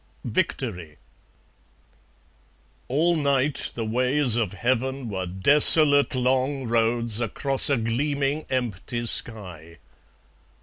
Victory All night the ways of Heaven were desolate, Long roads across a gleaming empty sky.